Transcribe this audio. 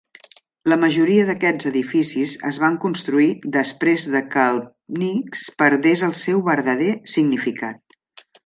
La majoria d'aquests edificis es van construir després de que el Pnyx perdés el seu verdader significat.